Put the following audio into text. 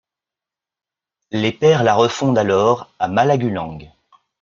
Les Pères la refondent alors à Malagunang.